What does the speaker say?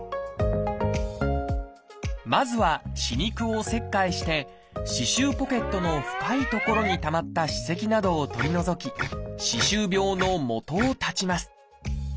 まずは歯肉を切開して歯周ポケットの深い所にたまった歯石などを取り除き歯周病のもとを断ちます。